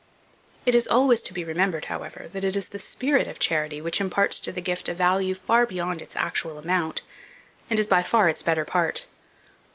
It is to be always remembered, however, that it is the spirit of charity which imparts to the gift a value far beyond its actual amount, and is by far its better part.